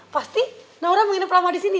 pasti naura mau nginep lama di sini ya